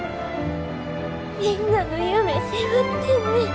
みんなの夢背負ってんねん。